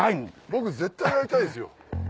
僕絶対やりたいですよ。